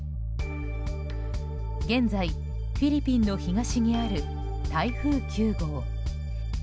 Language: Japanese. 現在、フィリピンの東にある台風９号。